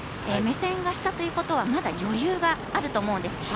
目線が下ということはまだ余裕があると思うんです。